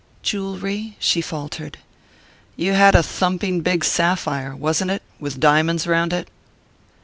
"Jewelry ?" she faltered. "You had a thumping big sapphire wasn't it? with diamonds round it."